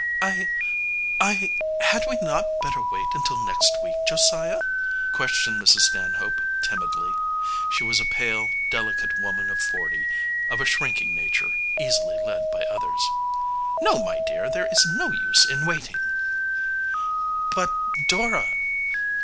"I I had we not better wait until next week, Josiah?" questioned Mrs. Stanhope timidly. She was a pale, delicate woman of forty, of a shrinking nature, easily led by others. "No, my dear, there is no use in waiting." "But Dora